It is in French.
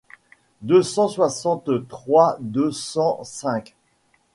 deux cent soixante-trois deux cent cinq.